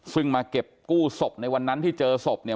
ซึ่งมาเก็บกู้ศพในวันนั้นที่เจอศพเนี่ย